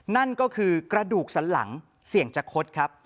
นั่นก็คือกระดูกสันหลังเสี่ยงจะคดครับ